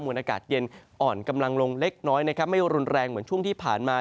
วนอากาศเย็นอ่อนกำลังลงเล็กน้อยนะครับไม่รุนแรงเหมือนช่วงที่ผ่านมา